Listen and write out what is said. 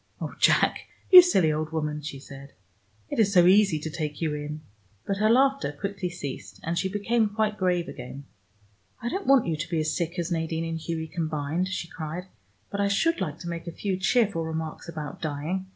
"Oh, Jack, you silly old woman," she said. "It is so easy to take you in." But her laughter quickly ceased, and she became quite grave again. "I don't want you to be as sick as Nadine and Hughie combined," she cried, "but I should like to make a few cheerful remarks about dying.